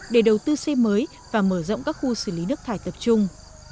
để đầu tư xây mới và mở rộng các khu xử lý nước thải tập trung